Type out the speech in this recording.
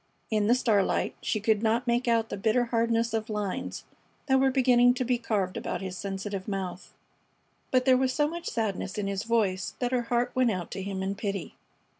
In the starlight she could not make out the bitter hardness of lines that were beginning to be carved about his sensitive mouth. But there was so much sadness in his voice that her heart went out to him in pity.